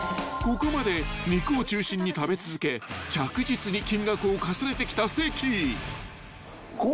［ここまで肉を中心に食べ続け着実に金額を重ねてきた関］